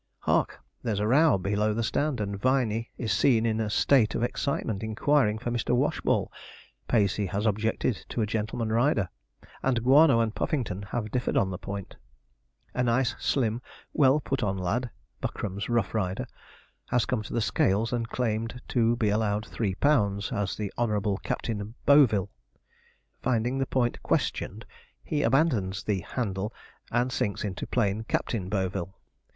Hark! there's a row below the stand, and Viney is seen in a state of excitement inquiring for Mr. Washball. Pacey has objected to a gentleman rider, and Guano and Puffington have differed on the point. A nice, slim, well put on lad (Buckram's rough rider) has come to the scales and claimed to be allowed 3 lb. as the Honourable Captain Boville. Finding the point questioned, he abandons the 'handle', and sinks into plain Captain Boville.